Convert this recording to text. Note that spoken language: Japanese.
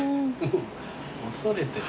恐れてる。